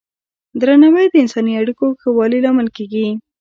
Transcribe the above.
درناوی د انساني اړیکو ښه والي لامل کېږي.